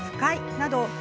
など